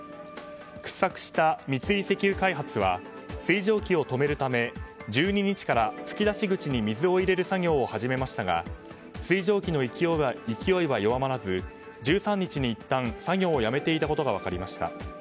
掘削した三井石油開発は水蒸気を止めるため１２日から噴き出し口に水を入れる作業を始めましたが水蒸気の勢いは弱まらず１３日にいったん、作業をやめていたことが分かりました。